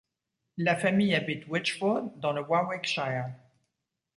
La famille habite Whichford, dans le Warwickshire.